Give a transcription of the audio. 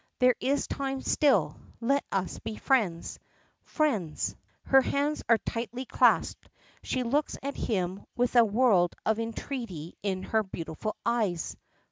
There is time still; let us be friends friends " Her hands are tightly clasped, she looks at him with a world of entreaty in her beautiful eyes.